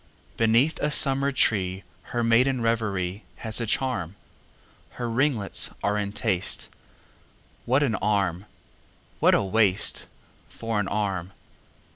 Beneath a summer tree, Her maiden reverieHas a charm; Her ringlets are in taste; What an arm!… what a waistFor an arm!